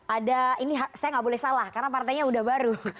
ada ini saya nggak boleh salah karena partainya udah baru